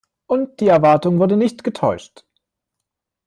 Und die Erwartung wurde nicht getäuscht!